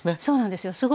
そうなんですよ